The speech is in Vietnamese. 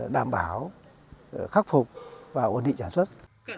đảm bảo khắc phục và ổn định trả xuất